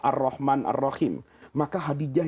ar rahman ar rahim maka hadijah